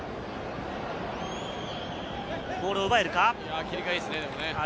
ボールを奪えるか。